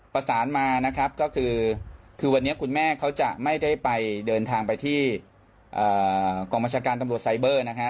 ประสานมานะครับก็คือคือวันนี้คุณแม่เขาจะไม่ได้ไปเดินทางไปที่กองบัญชาการตำรวจไซเบอร์นะฮะ